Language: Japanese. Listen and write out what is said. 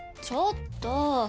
ちょっと。